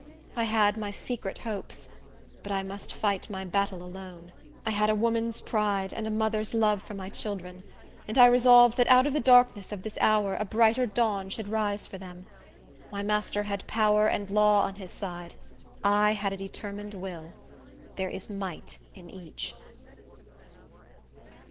I had my secret hopes; but I must fight my battle alone. I had a woman's pride, and a mother's love for my children; and I resolved that out of the darkness of this hour a brighter dawn should rise for them. My master had power and law on his side; I had a determined will. There is might in each.